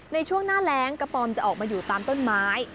ในช่วงหน้าแรงกระป๋อมจะออกมาอยู่ตามต้นไม้